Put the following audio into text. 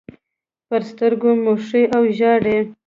پر سترګو موښي او ژاړي.